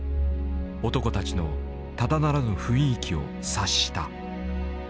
男たちのただならぬ雰囲気を察した。